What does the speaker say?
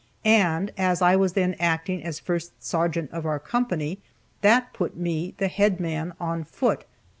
And, as I was then acting as first sergeant of our company, that put me the head man on foot.